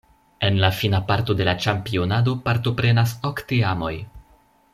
En la fina parto de la ĉampionado partoprenas ok teamoj.